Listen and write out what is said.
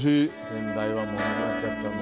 先代はもう亡くなっちゃったんだ。